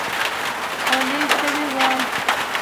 خولې شوی وم.